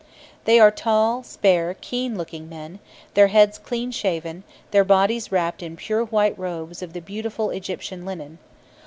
They are tall, spare, keen looking men, their heads clean shaven, their bodies wrapped in pure white robes of the beautiful Egyptian linen.